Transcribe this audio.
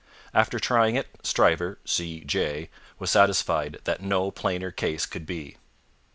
After trying it, Stryver, C. J., was satisfied that no plainer case could be.